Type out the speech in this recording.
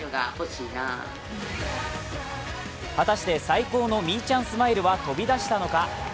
果たして最高のみいちゃんスマイルは飛び出したのか？